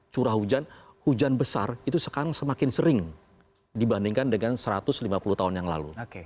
curah hujan hujan besar itu sekarang semakin sering dibandingkan dengan satu ratus lima puluh tahun yang lalu